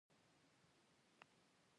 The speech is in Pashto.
موږ کار غواړو